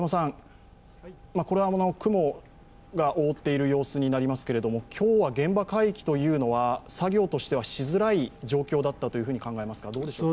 これは雲が覆っている様子になりますけれども、今日は現場海域というのは作業というのはしづらい状況だったといえますか？